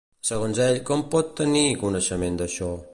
Segons ell, com podia tenir coneixement d'això?